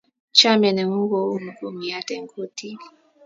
chamiet ne ng'un ko u kumiat eng' kutit